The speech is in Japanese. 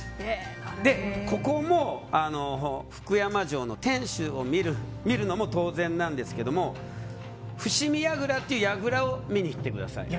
ここも福山城の天守を見るのも当然なんですが伏見櫓という櫓を見に行ってください。